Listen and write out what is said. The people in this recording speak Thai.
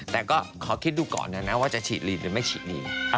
แต่ก็ขอคิดดูก่อนนะว่าจะฉีดลีนหรือไม่ฉีดลี